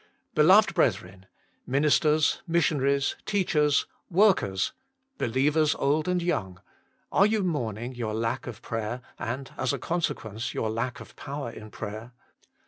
Beloved brethren, ministers, missionaries, teachers, workers, believers old and young, are you mourning your lack of prayer, and, as a conse quence, your lack of power in prayer